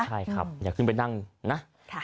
ใช่ครับอย่าขึ้นไปนั่งนะ